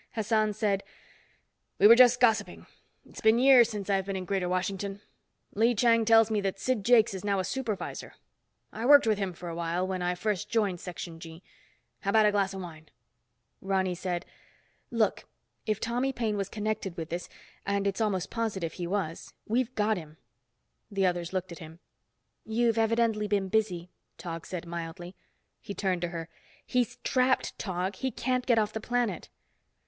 Hassan said, "We were just gossiping. It's been years since I've been in Greater Washington. Lee Chang tells me that Sid Jakes is now a Supervisor. I worked with him for a while, when I first joined Section G. How about a glass of wine?" Ronny said, "Look. If Tommy Paine was connected with this, and it's almost positive he was, we've got him." The others looked at him. "You've evidently been busy," Tog said mildly. He turned to her. "He's trapped, Tog! He can't get off the planet."